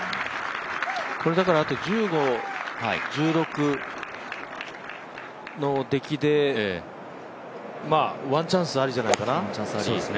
だからあと１５、１６の出来で、ワンチャンスありじゃないかな。